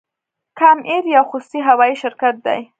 کام ایر یو خصوصي هوایی شرکت دی